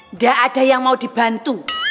nggak ada yang mau dibantu